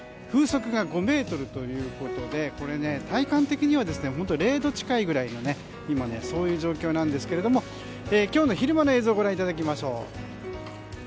風速が５メートルということで体感的には本当に０度近いくらいの今、そういう状況なんですが今日の昼間の映像をご覧いただきましょう。